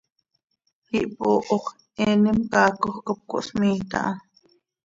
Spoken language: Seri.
Ihpooho x, eenim caacoj cop cohsmiiit aha.